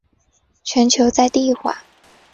全球在地化。